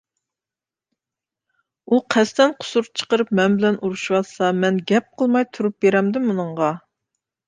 ئۇ قەستەن قۇسۇر چىقىرىپ مەن بىلەن ئۇرۇشىۋاتسا، مەن گەپ قىلماي تۇرۇپ بېرەمدىم ئۇنىڭغا.